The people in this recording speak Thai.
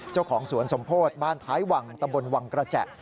เจ้าของสวนสมโพธิบ้านท้ายวังตำบลวังกระแจ